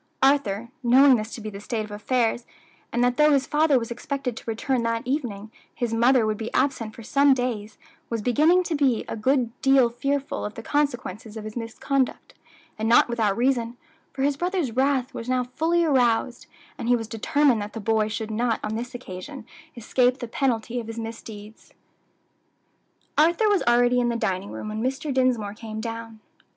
Arthur, knowing this to be the state of affairs, and that though his father was expected to return that evening, his mother would be absent for some days, was beginning to be a good deal fearful of the consequences of his misconduct, and not without reason, for his brother's wrath was now fully aroused, and he was determined that the boy should not on this occasion escape the penalty of his misdeeds. Arthur was already in the dining room when Mr. Dinsmore came down.